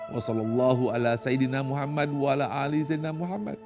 wassalamualaikum warahmatullahi wabarakatuh